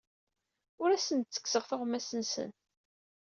Ur asen-d-ttekkseɣ tuɣmas-nsen.